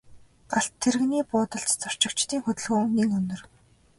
Галт тэрэгний буудалд зорчигчдын хөдөлгөөн нэн өнөр.